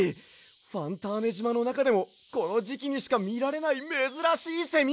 ファンターネじまのなかでもこのじきにしかみられないめずらしいセミ！